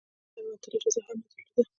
د بهر وتلو اجازه هم نه درلوده.